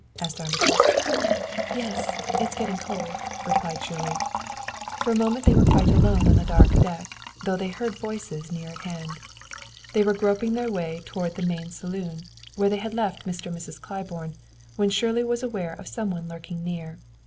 asked Armitage. "Yes, it is getting cold," replied Shirley. For a moment they were quite alone on the dark deck, though they heard voices near at hand. They were groping their way toward the main saloon, where they had left Mr. and Mrs. Claiborne, when Shirley was aware of some one lurking near.